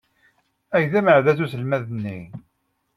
Ay d ameɛdaz uselmad-nni!